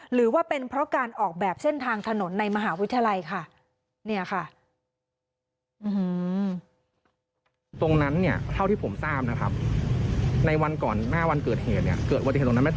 หรือว่าเป็นเพราะการออกแบบเส้นทางถนนในมหาวิทยาลัยค่ะ